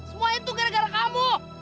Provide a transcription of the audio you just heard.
semua itu gara gara kamu